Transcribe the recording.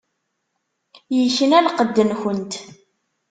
Ikna lqedd-nkent.